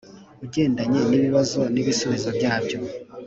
ugendanye nibibazo n’ibisubizo byabyo